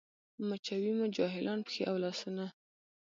مچوي مو جاهلان پښې او لاسونه